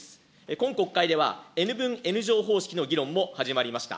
今国会ではＮ分Ｎ乗方式の議論も始まりました。